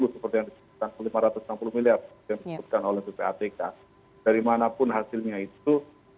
lima ratus enam puluh seperti yang dikatakan lima ratus enam puluh miliar yang dikatakan oleh bupatk dari manapun hasilnya itu